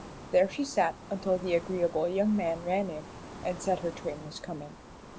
There she sat until the agreeable young man ran in and said her train was coming.